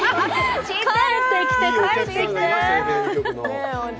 帰ってきて、帰ってきて！